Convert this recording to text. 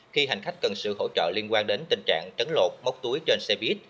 khi hành khách cần sự hỗ trợ liên quan đến tình trạng trấn lột mốc túi trên xe buýt